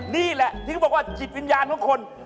นี่แหละที่เขาบอกว่าจิตวิญญาณของคน